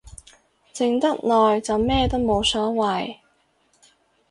靜得耐就咩都冇所謂